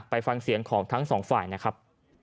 ไปฟังเสียงของทั้งสองฝ่ายนะครับ